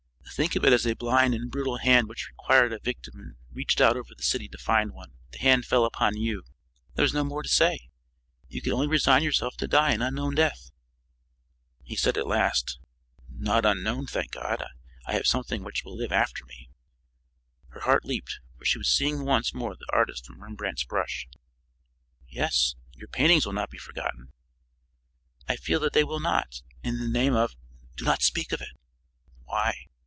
"Think of it as a blind and brutal hand which required a victim and reached out over the city to find one. The hand fell upon you. There is no more to say. You can only resign yourself to die an unknown death." He said at last: "Not unknown, thank God. I have something which will live after me." Her heart leaped, for she was seeing once more the artist from Rembrandt's brush. "Yes, your paintings will not be forgotten." "I feel that they will not, and the name of " "Do not speak of it!" "Why?"